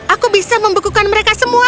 aku bisa membekukan mereka semua